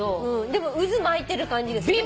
でも渦巻いてる感じがする。